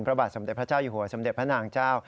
พระบาทสมเด็จพระเจ้าอยู่หัวสมเด็จพระนางเจ้า